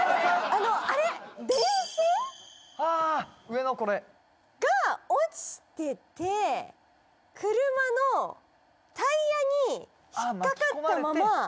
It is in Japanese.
ああ上のこれ？が落ちてて車のタイヤに引っかかったままああ